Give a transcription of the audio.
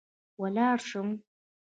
ولاړه شم